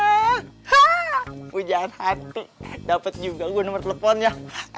ha pujaan hati dapet juga gue nomor teleponnya